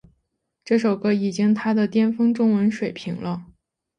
这首歌已经她的巅峰中文水平了